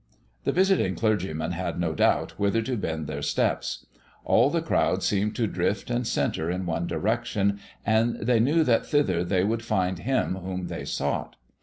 The visiting clergymen had no doubt whither to bend their steps. All the crowd seemed to drift and centre in one direction, and they knew that thither they would find him whom they sought.